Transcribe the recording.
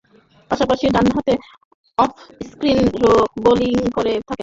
পাশাপাশি ডানহাতে off spin bowling করে থাকেন।